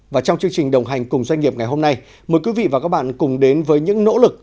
và trong chương trình đồng hành cùng doanh nghiệp ngày hôm nay mời quý vị và các bạn cùng đến với những nỗ lực